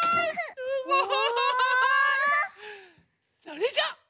それじゃあ。